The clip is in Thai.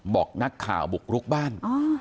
บอกนักข่าวบุกรุกบ้าน